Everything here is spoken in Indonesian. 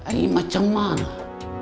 ini macam mana